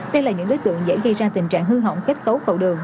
đây là những đối tượng dễ gây ra tình trạng hư hỏng kết cấu cầu đường